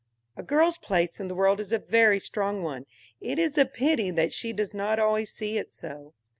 A girl's place in the world is a very strong one: it is a pity that she does not always see it so.